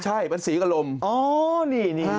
ใช่มันเสียงอารมณ์